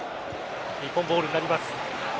日本ボールになります。